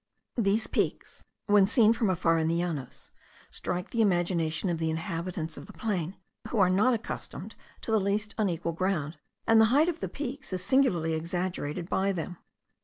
These peaks, when seen from afar in the Llanos, strike the imagination of the inhabitants of the plain, who are not accustomed to the least unequal ground, and the height of the peaks is singularly exaggerated by them.